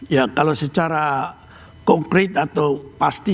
ya kalau secara kompret atau pasti